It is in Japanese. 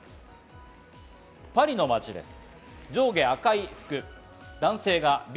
パリの街です。